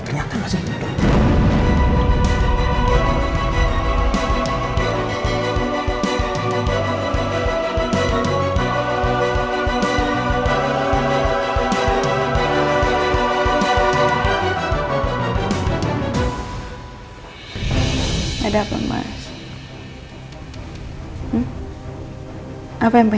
ternyata masih hidup